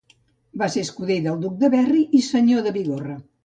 Va ser escuder del Duc de Berry i senyor de Bigorra.